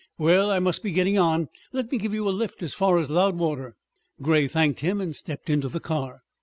"Well, I must be getting on; let me give you a lift as far as Loudwater." Grey thanked him and stepped into the car.